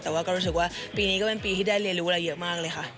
แต่ว่าก็รู้สึกว่าปีนี้ก็เป็นปีที่ได้เรียนรู้อะไรเยอะมากเลยค่ะ